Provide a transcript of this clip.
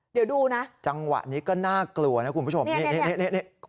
เดี๋ยวดูนะจังหวะนี้ก็น่ากลัวนะคุณผู้ชมเนี่ยเนี่ยเนี่ยเนี่ยนี่